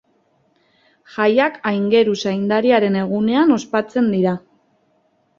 Jaiak Aingeru Zaindariaren egunean ospatzen dira.